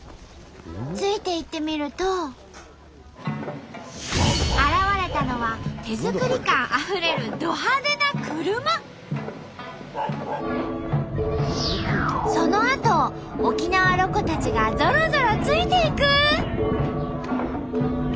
ついていってみると現れたのは手作り感あふれるそのあとを沖縄ロコたちがゾロゾロついていく！